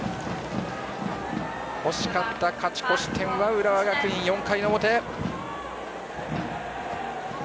欲しかった勝ち越し点は浦和学院、４回の表。